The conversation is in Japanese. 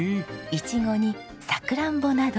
イチゴにさくらんぼなど。